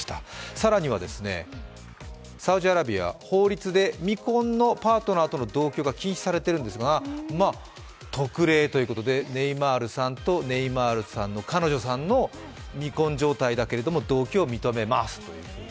更には、サウジアラビア、法律で未婚のパートナーとの同居が禁止されているんですが特例ということでネイマールさんとネイマールさんの彼女さんの、未婚状態だけれども同居を認めますという。